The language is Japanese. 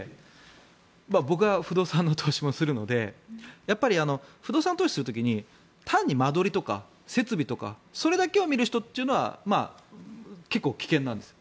僕は不動産の投資もするのでやっぱり不動産投資する時に単に間取りとか設備とかそれだけを見る人というのは結構、危険なんです。